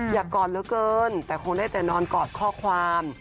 กอดเหลือเกินแต่คงได้แต่นอนกอดข้อความ